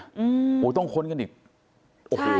โอ้โหต้องค้นกันอีกโอ้โหขนาดไหน